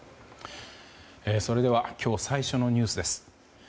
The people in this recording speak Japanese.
それでは今日、最初のニュースです。